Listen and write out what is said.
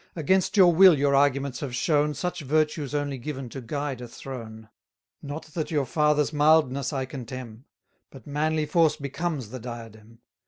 Against your will your arguments have shown, Such virtue's only given to guide a throne. 380 Not that your father's mildness I contemn; But manly force becomes the diadem.